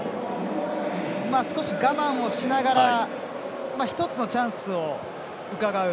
少し我慢をしながら１つのチャンスをうかがう。